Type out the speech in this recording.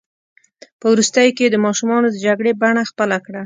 په وروستیو کې یې د ماشومانو د جګړې بڼه خپله کړه.